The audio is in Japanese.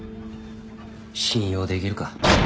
信用できるか。